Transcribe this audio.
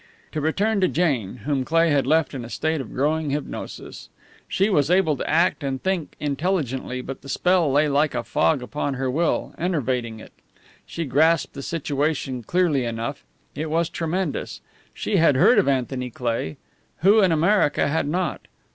To return to Jane, whom Cleigh had left in a state of growing hypnosis. She was able to act and think intelligently, but the spell lay like a fog upon her will, enervating it. She grasped the situation clearly enough; it was tremendous. She had heard of Anthony Cleigh. Who in America had not?